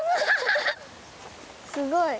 すごい！